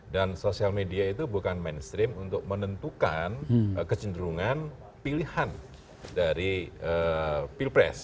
dan sosial media itu bukan mainstream untuk menentukan kecenderungan pilihan dari pilpres